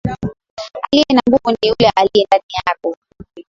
Aliye na nguvu ni yule aliyendani yako.